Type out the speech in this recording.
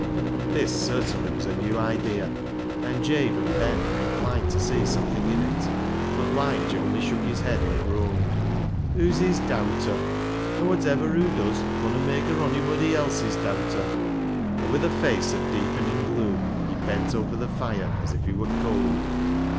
This certainly was a new idea, and Jabe and Ben were inclined to see something in it ; but Lige only shook his head and groaned —" Hoo's his dowter, an' wotiver hoo does conna mak' her onybody else's dowter." And with a LIGE'S LEGACY 193 face of deepening gloom he bent over the fire as if he were cold.